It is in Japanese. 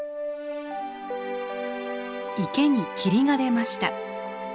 池に霧が出ました。